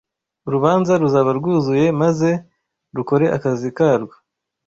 Urubanza ruzaba rwuzuye maze rukore akazi krwo